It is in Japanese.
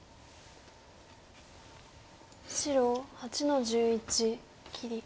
白８の十一切り。